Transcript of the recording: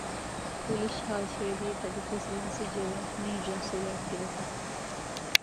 Police হাল ছেড়ে দিয়ে তাকে প্রেসিডেন্সী জেলে নির্জন সেলে আটকে রাখে।